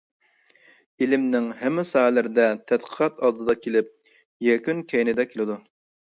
ئىلىمنىڭ ھەممە ساھەلىرىدە تەتقىقات ئالدىدا كېلىپ، يەكۈن كەينىدە كېلىدۇ.